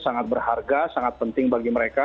sangat berharga sangat penting bagi mereka